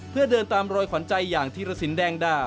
เพื่อเดินตามรอยขวัญใจอย่างธีรสินแดงดา